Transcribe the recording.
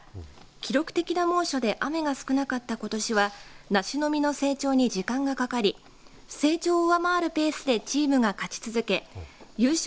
記録的な猛暑で雨が少なかったことしは梨の実の成長に時間がかかり成長を上回るペースでチームが勝ち続け優勝